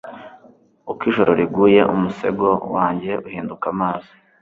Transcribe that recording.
uko ijoro riguye, umusego wanjye uhinduka amazi